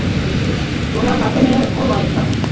তোমার মাধ্যমেও নয়, বাছা।